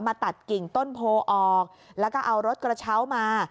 ตัดกิ่งต้นโพออกแล้วก็เอารถกระเช้ามา